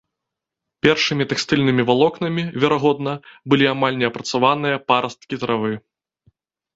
Першымі тэкстыльнымі валокнамі, верагодна, былі амаль не апрацаваныя парасткі травы.